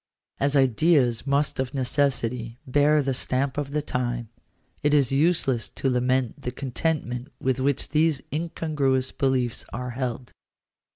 As ideas most of necessity bear the stamp of the time, it is useless to lament the contentment with which these incongruous beliefs are held.